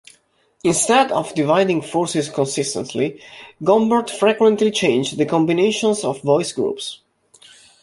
Instead of dividing forces consistently, Gombert frequently changed the combinations of voice groups.